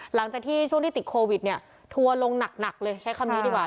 หลังจากที่ช่วงที่ติดโควิดเนี่ยทัวร์ลงหนักเลยใช้คำนี้ดีกว่า